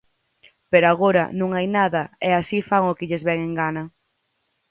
Pero agora non hai nada e así fan o que lles vén en gana.